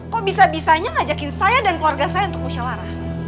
kok bisa bisanya ngajakin saya dan keluarga saya untuk musyawarah